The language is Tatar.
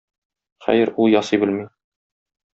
Хәер, ул ясый белми.